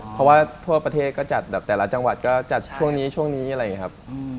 เพราะว่าทั่วประเทศก็จัดแบบแต่ละจังหวัดก็จัดช่วงนี้ช่วงนี้อะไรอย่างนี้ครับ